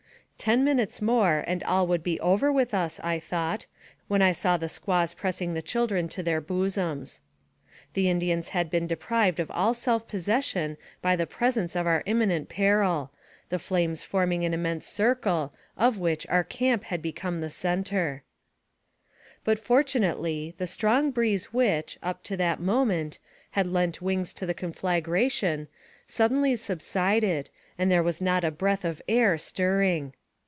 Ten minutes more, and all would be over with us, I thought, when I saw the squaws pressing the children to their bosoms. The Indians had been deprived of all self possession by the presence of our imminent peril the flames forming an immense circle, of which our camp had become the center. But, fortunately, the strong breeze which, up to that AMONG THE SIOUX INDIANS. 161 moment, had lent wings to the conflagration, suddenly subsided, and there was not a breath of air stirring.